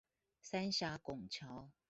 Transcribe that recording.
三峽拱橋